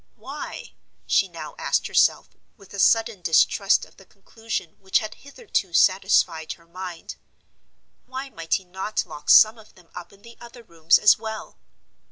Why—she now asked herself, with a sudden distrust of the conclusion which had hitherto satisfied her mind—why might he not lock some of them up in the other rooms as well?